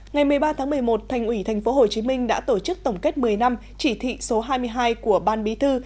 ngày một mươi ba tháng một mươi một thành ủy tp hcm đã tổ chức tổng kết một mươi năm chỉ thị số hai mươi hai của ban bí thư